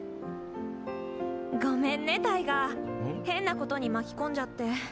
ごめんねタイガー変なことに巻き込んじゃって。